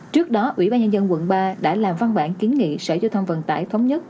trước đó ủy ban nhân dân quận ba đã làm văn bản kiến nghị sở giao thông vận tải thống nhất